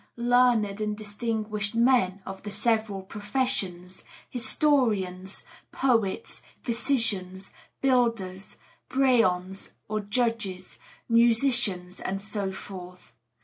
learned and distinguished men, of the several professions Historians, Poets, Physicians, Builders, Brehons or Judges, Musicians, and so forth.